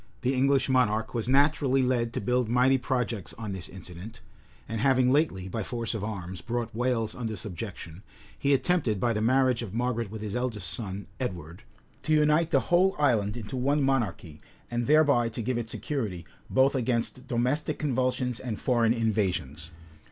The English monarch was naturally led to build mighty projects on this incident; and having lately, by force of arms, brought Wales under subjection, he attempted, by the marriage of Margaret with his eldest son, Edward, to unite the whole island into one monarchy, and thereby to give it security both against domestic convulsions and foreign invasions.